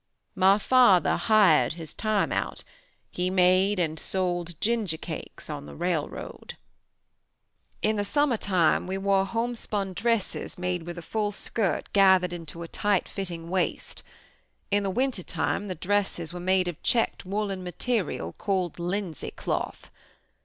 My father hired his time out; he made and sold gingercakes on the railroad. "In the summertime we wore homespun dresses made with a full skirt gathered onto a tight fitting waist. In the wintertime the dresses were made of checked woolen material called linsey cloth.